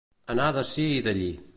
Anar d'ací i d'allí.